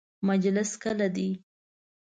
مجلس کله دی؟